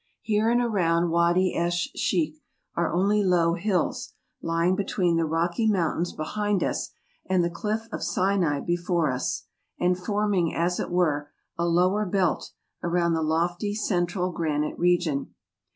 Here and around Wady esh Sheikh are only low hills, lying between the rocky mountains behind us and the cliff of Sinai before us; and forming, as it were, a lower belt around the lofty central granite region.